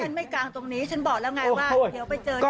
ไม่กลางตรงนี้ฉันบอกแล้วไงว่าเดี๋ยวไปเจอที่